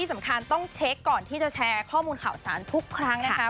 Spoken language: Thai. สำคัญต้องเช็คก่อนที่จะแชร์ข้อมูลข่าวสารทุกครั้งนะคะ